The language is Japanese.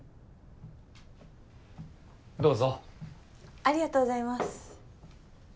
ありがとうございます。